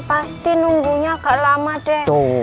pasti nunggunya agak lama deh